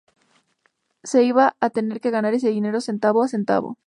Se iba a tener que ganar ese dinero centavo a centavo.